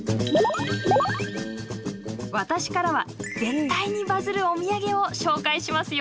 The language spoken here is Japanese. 私からは絶対にバズるお土産を紹介しますよ。